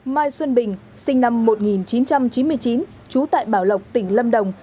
mai xuân bình sinh năm một nghìn chín trăm chín mươi chín trú tại bảo lộc tỉnh lâm đồng